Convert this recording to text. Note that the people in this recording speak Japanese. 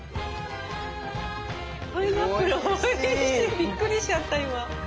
びっくりしちゃった今。